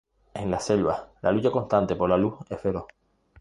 En las selvas, la lucha constante por la luz es feroz.